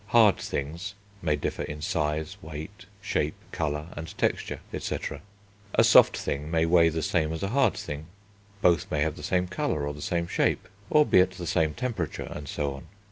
Hard things may differ in size, weight, shape, colour, texture, &c. A soft thing may weigh the same as a hard thing; both may have the same colour or the same size, or be at the same temperature, and so on.